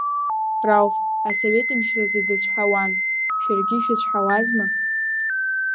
Рауф Асовет мчразы дыцәҳауан, шәаргьы шәыцәҳауазма?